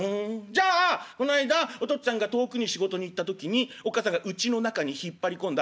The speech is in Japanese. じゃあこの間お父っつぁんが遠くに仕事に行った時におっ母さんがうちの中に引っ張り込んだ